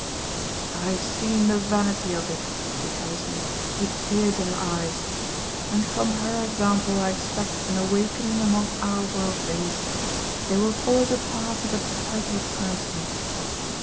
"I have seen the vanity of it," she tells me, with tears in her eyes; and from her example I expect an awakening among our worldlings. They will follow the path of a titled person.